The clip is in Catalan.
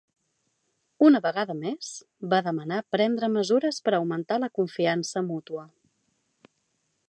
Una vegada més, va demanar prendre mesures per augmentar la confiança mútua.